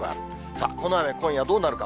さあ、この雨、今夜どうなるか。